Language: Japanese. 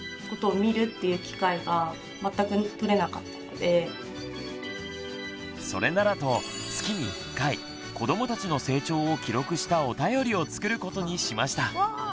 手作り⁉それならと月に１回子どもたちの成長を記録したお便りを作ることにしました。